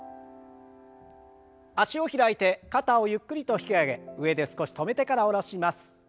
脚を開いて肩をゆっくりと引き上げ上で少し止めてから下ろします。